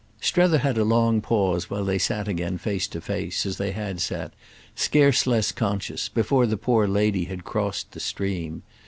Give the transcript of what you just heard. Strether had a long pause while they sat again face to face, as they had sat, scarce less conscious, before the poor lady had crossed the stream.